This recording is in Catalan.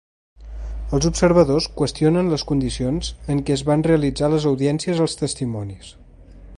Els observadors qüestionen les condicions en què es van realitzar les audiències als testimonis.